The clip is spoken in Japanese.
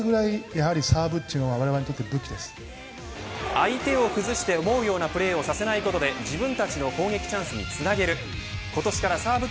相手を崩して思うようなプレーをさせないことで自分たちの攻撃チャンスにつなげる。